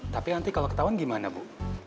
tapi nanti kalau ketahuan gimana bu